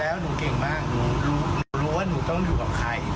แล้วหนูเก่งมากหนูรู้ว่าหนูต้องอยู่กับใคร